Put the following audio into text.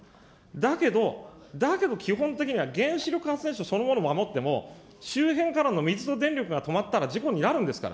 だけど、だけど基本的には原子力発電所そのものを守っても、周辺からの水と電力が止まったら事故になるんですから。